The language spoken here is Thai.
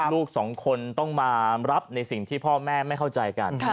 ลูกสองคนต้องมารับในสิ่งที่พ่อแม่ไม่เข้าใจกัน